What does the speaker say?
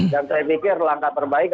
dan saya pikir langkah terbaik